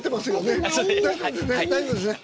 大丈夫ですね。